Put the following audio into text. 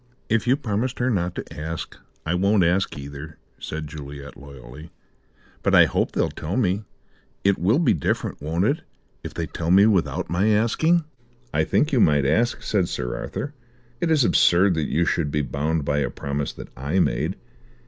"If you promised her not to ask, I won't ask either," said Juliet loyally. "But I hope they'll tell me. It will be different, won't it, if they tell me without my asking?" "I think you might ask," said Sir Arthur. "It is absurd that you should be bound by a promise that I made.